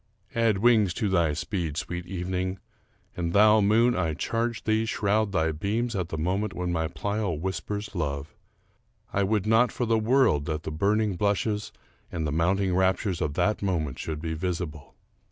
Add wings to thy speed, sweet evening; and thou, moon, I charge thee, shroud thy beams at the moment when my Pleyel whispers love, I would not for the world that the burning blushes and the mounting raptures of that moment should be visible.